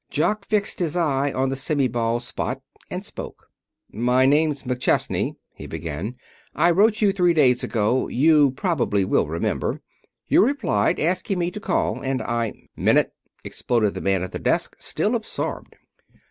Jock fixed his eye on the semi bald spot and spoke. "My name's McChesney," he began. "I wrote you three days ago; you probably will remember. You replied, asking me to call, and I " "Minute," exploded the man at the desk, still absorbed.